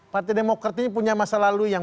partai demokrat ini punya masa lalu yang